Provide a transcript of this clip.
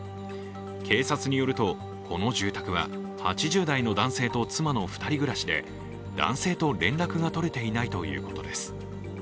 警察によると、この住宅は８０代の男性と妻の２人暮らしで男性と連絡が取れていないということです。